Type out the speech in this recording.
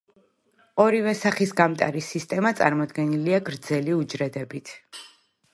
ორივე სახის გამტარი სისტემა წარმოდგენილია გრძელი უჯრედებით.